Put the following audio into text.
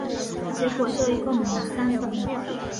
结果就一共买了三本